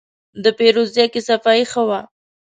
د پیرود ځای کې صفایي ښه وه.